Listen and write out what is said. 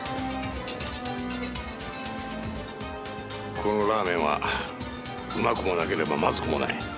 ここのラーメンはうまくもなければまずくもない。